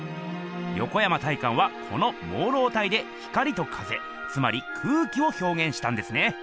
横山大観はこの朦朧体で光と風つまり空気をひょうげんしたんですね。